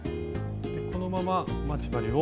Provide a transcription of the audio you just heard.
このまま待ち針を。